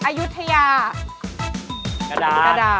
กรุงเทพ